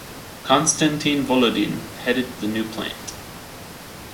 Konstantin Volodin headed the new plant.